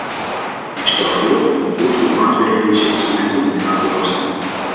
Ik stel voor om beproefde marktreguleringsinstrumenten niet aan te tasten.